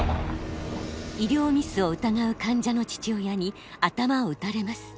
医療ミスを疑う患者の父親に頭を撃たれます。